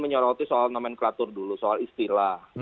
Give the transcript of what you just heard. menyoroti soal nomenklatur dulu soal istilah